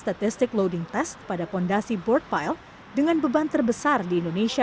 statistic loading test pada fondasi board pile dengan beban terbesar di indonesia